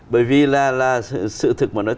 bởi vì là sự thực mà nói